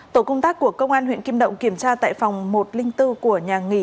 tổ công tác của công an huyện kim động kiểm tra tại phòng một trăm linh bốn của nhà nghỉ